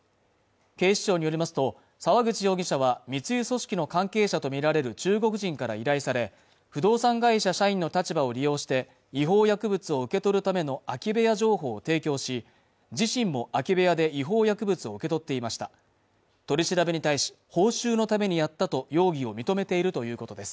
警視庁によりますと沢口容疑者は密輸組織の関係者と見られる中国人から依頼され不動産会社社員の立場を利用して違法薬物を受け取るための空き部屋情報を提供し自身も空き部屋で違法薬物を受け取っていました取り調べに対し報酬のためにやったと容疑を認めているということです